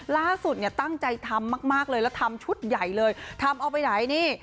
ล่าสุดเนี่ยตั้งใจทำมากเลยแล้วทำชุดใหญ่เลยทำเอาไปไหนนี่